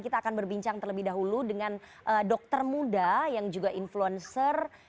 kita akan berbincang terlebih dahulu dengan dokter muda yang juga influencer